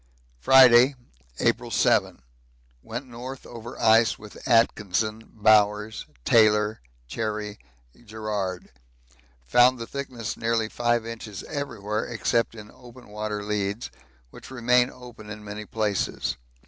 Friday, April 7. Went north over ice with Atkinson, Bowers, Taylor, Cherry Garrard; found the thickness nearly 5 inches everywhere except in open water leads, which remain open in many places.